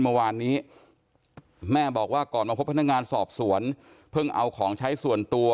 เมื่อวานนี้แม่บอกว่าก่อนมาพบพนักงานสอบสวนเพิ่งเอาของใช้ส่วนตัว